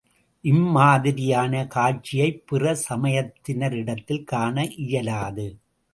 இம்மாதிரியான காட்சியைப் பிற சமயத்தினரிடத்தில் காண இயலாது.